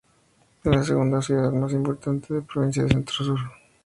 Es la segunda ciudad más importante de la provincia de Centro Sur.